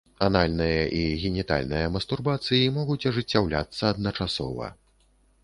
Анальная і генітальная мастурбацыі могуць ажыццяўляцца адначасова.